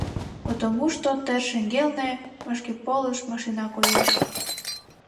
Потомушто тер шеҥгелне вашкеполыш машина коеш.